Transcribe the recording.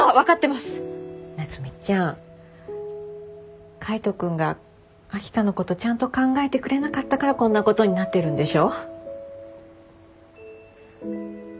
夏海ちゃん海斗君が秋香のことちゃんと考えてくれなかったからこんなことになってるんでしょ？